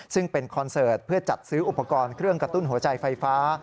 ซึ่งเป็นคอนเสิร์ตเพื่อจัดซื้ออุปกรณ์เครื่องกระตุ้นหัวใจไฟฟ้า